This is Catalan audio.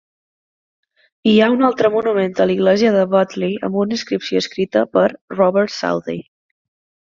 Hi ha un altre monument a l'església de Butleigh amb una inscripció escrita per Robert Southey.